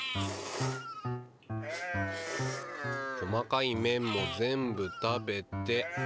細かい麺も全部食べて。